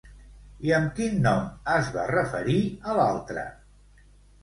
I amb quin nom es va referir a l'altre?